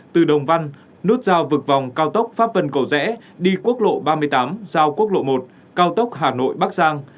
từ đồng văn nút giao vực vòng cao tốc pháp vân cầu rẽ đi quốc lộ ba mươi tám giao quốc lộ một cao tốc hà nội bắc giang